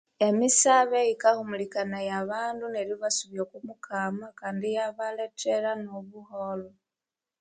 Emisabe yi kahumulikanaya abandu neri basubya oko mukama kandi iya balethera no obuholho